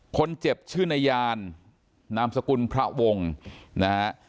คนเจ็บชื่อนายานนามสกุลพระองค์